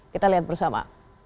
kita lihat bersama